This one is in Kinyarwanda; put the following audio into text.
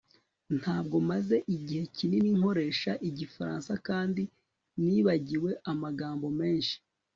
Ntabwo maze igihe kinini nkoresha igifaransa kandi nibagiwe amagambo menshi